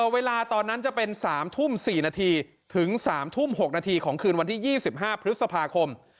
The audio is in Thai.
เวลาตอนนั้นจะเป็น๓ทุ่ม๔นาทีถึง๓ทุ่ม๖นาทีของคืนวันที่๒๕พฤษภาคม